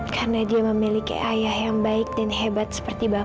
karena dia memiliki ayah yang baik dan hebat seperti bapak